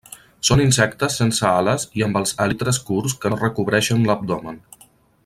Són insectes sense ales i amb els èlitres curts que no recobreixen l'abdomen.